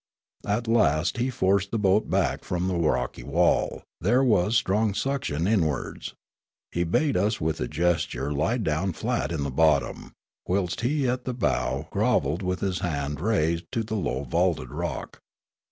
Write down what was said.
At last he forced the boat back from the rocky wall: there was strong suction inwards. He bade us with a gesture lie down flat in the bottom, whilst he at the bow grov elled with a hand raised to the low valuted rock.